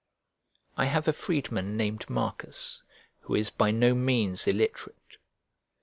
I have a freedman named Marcus, who is by no means illiterate.